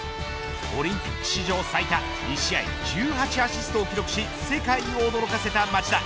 オリンピック史上最多１試合１８アシストを記録し世界を驚かせた町田。